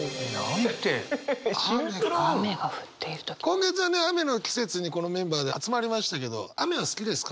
今月はね雨の季節にこのメンバーで集まりましたけど雨は好きですか？